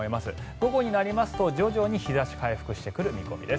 午後になると徐々に日差しが回復してくる見込みです。